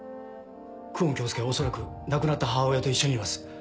久遠京介は恐らく亡くなった母親と一緒にいます。